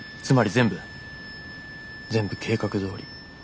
つまり全部全部計画どおり。